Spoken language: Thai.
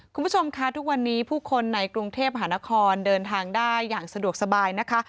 คุณผู้ชมค่ะทุกวันนี้ผู้คนในกรุงเทพหานครเดินทางได้อย่างสะดวกสบายนะคะ